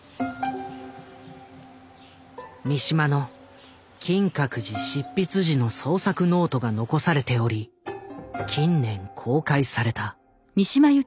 三島の「金閣寺」執筆時の創作ノートが残されており近年公開された。